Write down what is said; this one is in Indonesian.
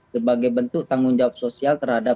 sebagai bentuk tanggung jawab sosial terhadap